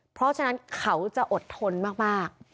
เพราะฉะนั้นเขาจะอดทนมาก